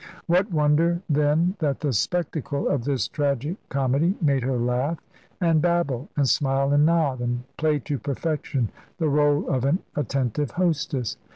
What wonder, then, that the spectacle of this tragic comedy made her laugh and babble, and smile and nod, and play to perfection the rôle of an attentive hostess.